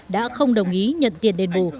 đã không đồng ý nhận tiền đền bù